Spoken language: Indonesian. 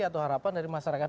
atau harapan dari masyarakat